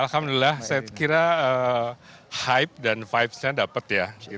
alhamdulillah saya kira hype dan vibesnya dapat ya